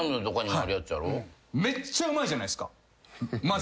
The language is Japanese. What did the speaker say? めっちゃうまいじゃないですかまず。